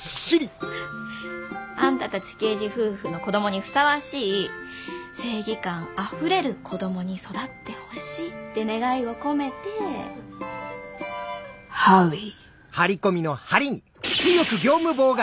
あんたたち刑事夫婦の子供にふさわしい正義感あふれる子供に育ってほしいって願いを込めて「張威」。